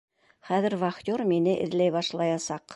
Хәҙер вахтер мине эҙләй башлаясаҡ!